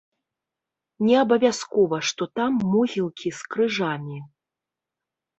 Неабавязкова, што там могілкі з крыжамі.